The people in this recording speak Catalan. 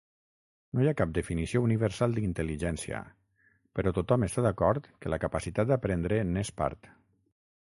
No hi ha cap definició universal d'intel·ligència, però tothom està d'acord que la capacitat d'aprendre n'és part.